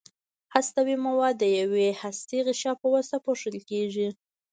هستوي مواد د یوې سختې غشا په واسطه پوښل کیږي.